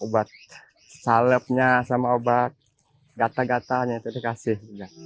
obat salepnya sama obat gatal gatalnya dia dikasih